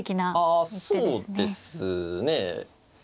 ああそうですね。